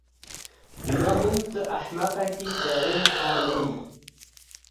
Bi ya min tu ehmeqekî derê hanê yî.